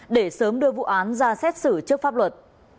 để sớm đưa vụ án ra xét xử trước pháp luật